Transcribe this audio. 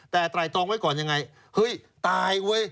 แต่ไตรตองไว้ก่อนยังไงเฮ้ยตายเว้ย